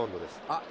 あっ。